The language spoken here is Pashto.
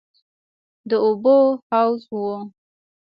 د اوبو حوض و.